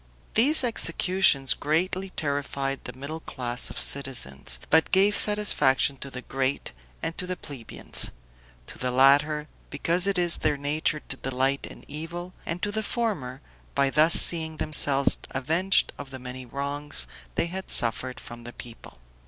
These executions greatly terrified the middle class of citizens, but gave satisfaction to the great and to the plebeians; to the latter, because it is their nature to delight in evil; and to the former, by thus seeing themselves avenged of the many wrongs they had suffered from the people.